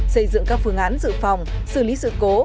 xây dựng các phương án dự phòng xử lý sự cố